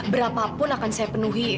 berapapun akan saya penuhi